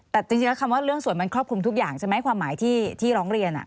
แต่จริงแล้วคำว่าเรื่องสวยมันครอบคลุมทุกอย่างใช่ไหมความหมายที่ร้องเรียน